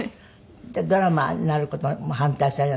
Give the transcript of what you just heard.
ドラマーになる事も反対されなかった？